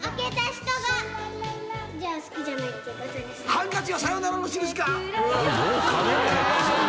「ハンカチはさよならの印か？」